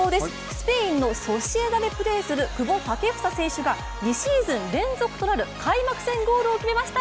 スペインのソシエダでプレーする久保建英選手が２シーズン連続となる開幕戦ゴールを決めました。